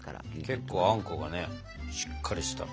結構あんこがしっかりした。